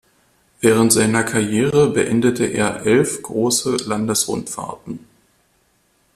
Während seiner Karriere beendete er elf große Landesrundfahrten.